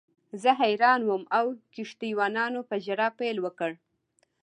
زه حیران وم او کښتۍ وانانو په ژړا پیل وکړ.